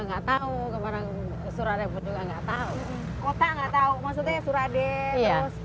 enggak tahu kemarin surade pun juga enggak tahu kota enggak tahu maksudnya surade ya